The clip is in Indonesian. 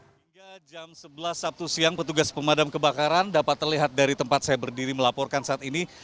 hingga jam sebelas sabtu siang petugas pemadam kebakaran dapat terlihat dari tempat saya berdiri melaporkan saat ini